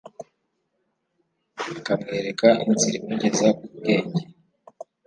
akamwereka inzira imugeza ku bwenge ?